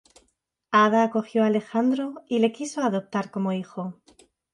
Ada acogió a Alejandro y le quiso adoptar como hijo.